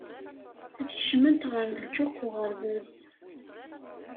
Ad kecment ɣer lǧuq uɣerbaz.